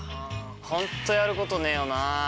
本当やることねえよな。